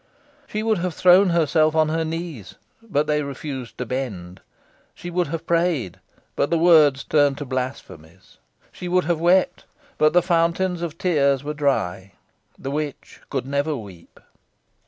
She would have thrown herself on her knees, but they refused to bend. She would have prayed, but the words turned to blasphemies. She would have wept, but the fountains of tears were dry. The witch could never weep.